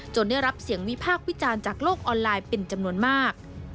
ได้รับเสียงวิพากษ์วิจารณ์จากโลกออนไลน์เป็นจำนวนมาก